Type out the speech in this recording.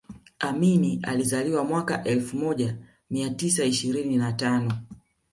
amini alizaliwa mwaka elfu moja mia tisa ishirini na tano